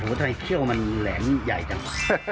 ทำไมเขี้ยวมันแหลมใหญ่จัง